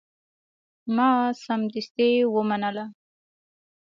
ما سمدستي ومنله.